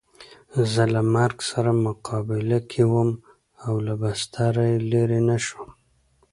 زه له مرګ سره مقابله کې وم او له بستره یې لرې نه شوم.